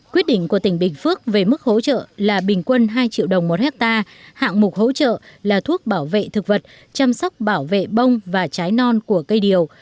quyết định của tỉnh bình phước về mức hỗ trợ là bình quân hai triệu đồng một hectare hạng mục hỗ trợ là thuốc bảo vệ thực vật chăm sóc bảo vệ bông và trái non của cây điều